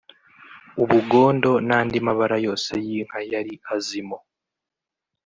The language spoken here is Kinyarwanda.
ubugondo n’andi mabara yose y’inka yari azirimo